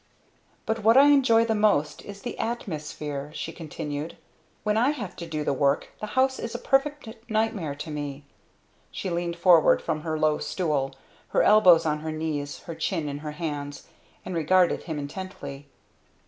"But what I enjoy the most is the atmosphere," she continued. "When I have to do the work, the house is a perfect nightmare to me!" She leaned forward from her low stool, her elbows on her knees, her chin in her hands, and regarded him intently.